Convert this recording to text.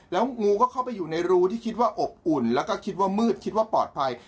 แล้วงูก็เข้าไปอยู่ในรูที่คิดว่าอบอุ่นแล้วก็คิดว่ามืดคิดว่าปลอดภัย